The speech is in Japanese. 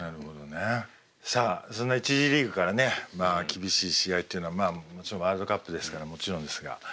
さあそんな１次リーグからねまあ厳しい試合っていうのはまあもちろんワールドカップですからもちろんですが続きます。